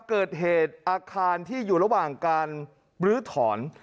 เกิดเหตุอาคารที่อยู่ระหว่างการบรื้อถอน